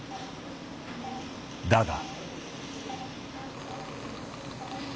だが。